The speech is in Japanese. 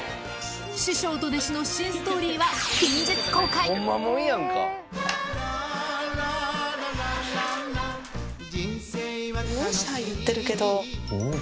師匠と弟子の新ストーリーは・すごい「シャ」言ってるけど・